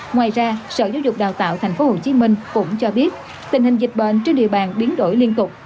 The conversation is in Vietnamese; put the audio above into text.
ngoài ra sở giáo dục đào tạo tp hcm cũng cho biết tình hình dịch bệnh trên địa bàn biến đổi liên tục